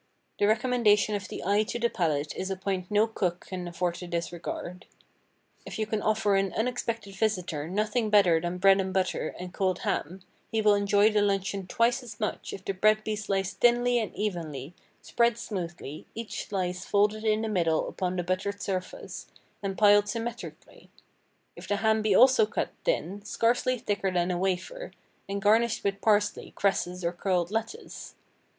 The recommendation of the eye to the palate is a point no cook can afford to disregard. If you can offer an unexpected visitor nothing better than bread and butter and cold ham, he will enjoy the luncheon twice as much if the bread be sliced thinly and evenly, spread smoothly, each slice folded in the middle upon the buttered surface, and piled symmetrically; if the ham be also cut thin, scarcely thicker than a wafer, and garnished with parsley, cresses, or curled lettuce.